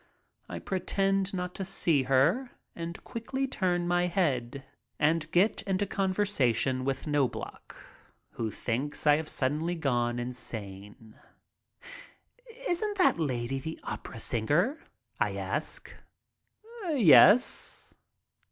I pretend not to see her and quickly turn my head and get into conversation with Knobloch, who thinks I have suddenly gone insane. "Isn't that lady the opera singer?" I ask. "Yes."